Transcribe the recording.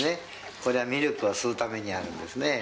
これはミルクを吸うためにあるんですね。